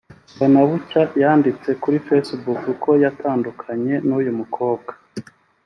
Mbonabucya yanditse kuri facebook ko yatandukanye n’uyu mukobwa